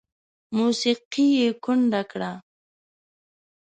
موسیقي یې کونډه کړه